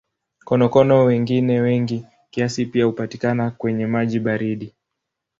Konokono wengine wengi kiasi pia hupatikana kwenye maji baridi.